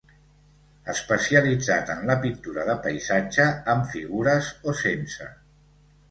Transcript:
Especialitzat en la pintura de paisatge amb figures o sense.